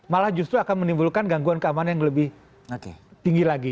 malah justru akan menimbulkan gangguan keamanan yang lebih tinggi lagi